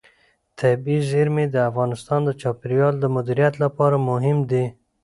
طبیعي زیرمې د افغانستان د چاپیریال د مدیریت لپاره مهم دي.